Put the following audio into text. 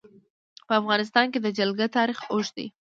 په افغانستان کې د جلګه تاریخ اوږد دی.